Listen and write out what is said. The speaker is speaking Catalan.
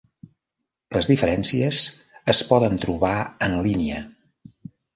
Les diferències es poden trobar en línia.